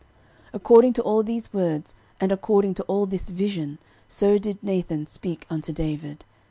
13:017:015 According to all these words, and according to all this vision, so did Nathan speak unto David.